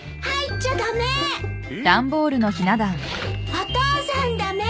・お父さん駄目！